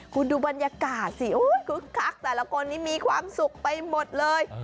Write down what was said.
คุณดูบรรยากาศสิคึกคักแต่ละคนนี้มีความสุขไปหมดเลย